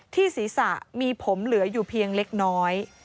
ศีรษะมีผมเหลืออยู่เพียงเล็กน้อย